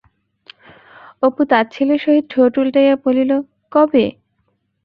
অপু তাচ্ছিল্যের সহিত ঠোঁট উলটাইয়া বলিল, কবে!